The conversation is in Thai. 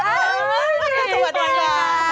สวัสดีค่ะ